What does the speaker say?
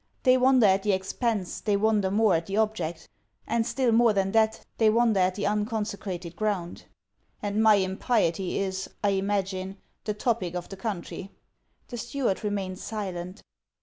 'They wonder at the expence, they wonder more at the object; and, still more than that, they wonder at the unconsecrated ground.' 'And my impiety is, I imagine, the topic of the country.' The steward remained silent.